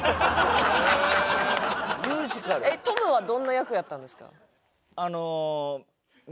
トムはどんな役やったんですか？